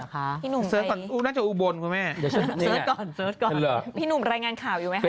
เดี๋ยวหนูรายงานข่าวอยู่ไหมฮะ